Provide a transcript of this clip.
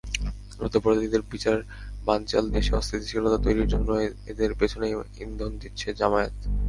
যুদ্ধাপরাধীদের বিচার বানচাল, দেশে অস্থিতিশীলতা তৈরির জন্য এদের পেছনে ইন্ধন দিচ্ছে জামায়াত।